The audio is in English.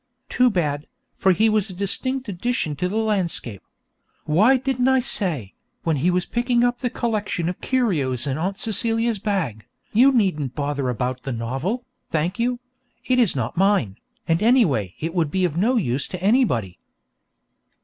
Too bad, for he was a distinct addition to the landscape. Why didn't I say, when he was picking up the collection of curios in Aunt Celia's bag, 'You needn't bother about the novel, thank you; it is not mine, and anyway it would be of no use to anybody.'